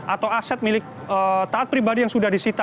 atau aset milik taat pribadi yang sudah disita